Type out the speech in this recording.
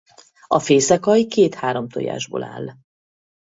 A fészekalj két-hátom tojásból áll.